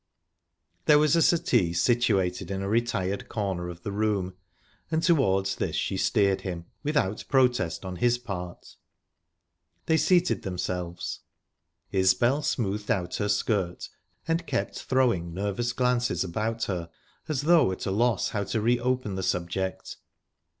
There was a settee situated in a retired corner of the room, and towards this she steered him, without protest on his part. They seated themselves. Isbel smoothed out her skirt and kept throwing nervous glances about her, as though at a loss how to reopen the subject.